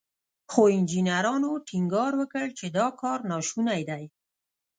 خو انجنيرانو ټينګار وکړ چې دا کار ناشونی دی.